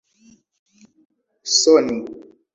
soni